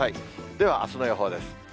では、あすの予報です。